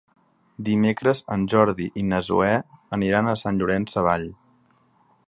Dimecres en Jordi i na Zoè aniran a Sant Llorenç Savall.